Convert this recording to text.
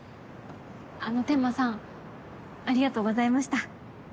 あの天間さんありがとうございました。